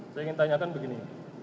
saya ingin tanyakan begini